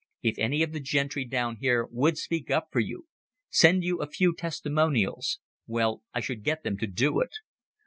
"If any of the gentry down here would speak up for you, send you a few testimonials well, I should get them to do it.